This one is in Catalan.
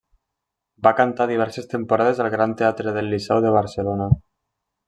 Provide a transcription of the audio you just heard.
Va cantar diverses temporades al Gran Teatre del Liceu de Barcelona.